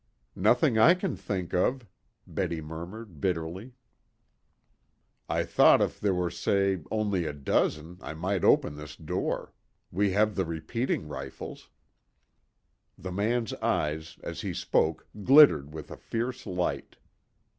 "Nothing I can think of," Betty murmured bitterly. "I thought if there were say only a dozen I might open this door. We have the repeating rifles." The man's eyes as he spoke glittered with a fierce light.